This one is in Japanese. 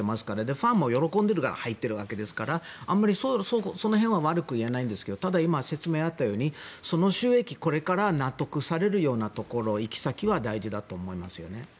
ファンも喜んでるから入っているわけですからあまりそこら辺は悪く言えないんですけどただ、説明があったようにその収益をこれから納得されるような行き先は大事だと思いますね。